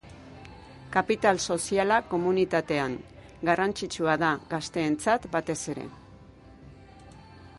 Kapital soziala komunitatean: garrantzitsua da gazteentzat batez ere.